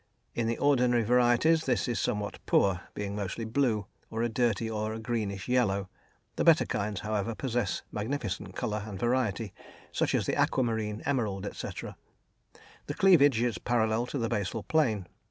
In the ordinary varieties this is somewhat poor, being mostly blue, or a dirty or a greenish yellow; the better kinds, however, possess magnificent colour and variety, such as in the aquamarine, emerald, etc. The cleavage is parallel to the basal plane.